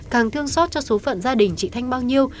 càng thương xót cho số phận gia đình chị thanh bao nhiêu